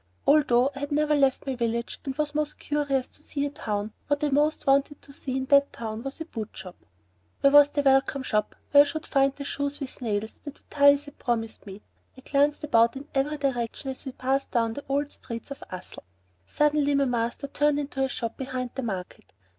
Although I had never left my village and was most curious to see a town, what I most wanted to see in that town was a boot shop. Where was the welcome shop where I should find the shoes with nails that Vitalis had promised me? I glanced about in every direction as we passed down the old streets of Ussel. Suddenly my master turned into a shop behind the market.